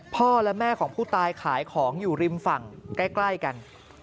พ่อและแม่ของผู้ตายขายของอยู่ริมฝั่งใกล้กัน